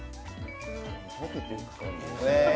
溶けていく感じ。